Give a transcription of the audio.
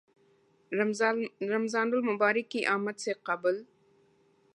رمضان المبارک کی آمد سے قبل